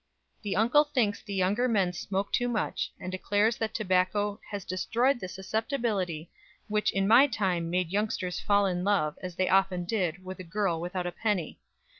The uncle thinks the younger men smoke too much, and declares that tobacco "has destroyed the susceptibility, which in my time made youngsters fall in love, as they often did, with a girl without a penny.